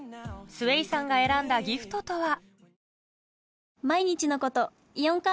ＳＷＡＹさんが選んだギフトとは？